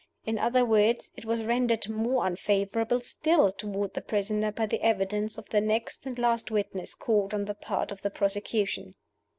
In other words, it was rendered more unfavorable still toward the prisoner by the evidence of the next and last witness called on the part of the prosecution.